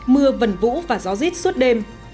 mưa vần vũ và gió rít suốt đêm